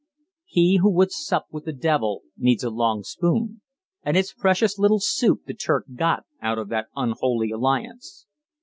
"He who would sup with the devil needs a long spoon," and it's precious little soup the Turk got out of that unholy alliance.